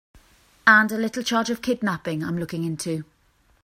And a little charge of kidnapping I'm looking into.